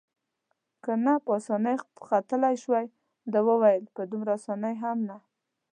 که نه په اسانۍ ختلای شوای، ده وویل: په دومره اسانۍ هم نه.